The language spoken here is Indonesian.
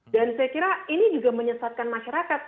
saya kira ini juga menyesatkan masyarakat